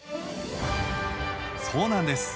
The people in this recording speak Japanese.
そうなんです。